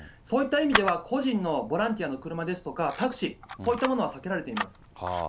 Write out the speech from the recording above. そういった意味では、個人のボランティアの車ですとか、タクシー、そういったものは避けられています。